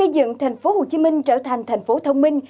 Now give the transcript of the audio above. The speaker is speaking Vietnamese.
dựng thành phố hồ chí minh trở thành thành phố thông minh